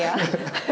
ハハハ！